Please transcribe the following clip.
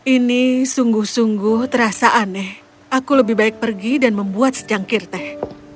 ini sungguh sungguh terasa aneh aku lebih baik pergi dan membuat secangkir teh